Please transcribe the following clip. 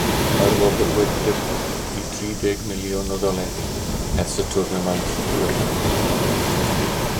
Mae'r wobr wedi dyblu i drideg miliwn o ddoleri ers y twrnamaint diwethaf.